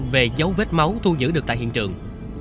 về dấu vết máu thu giữ được tại hiện trường